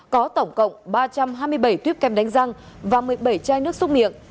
có tổng cộng ba trăm hai mươi bảy tuyếp kem đánh răng và một mươi bảy chai nước xúc miệng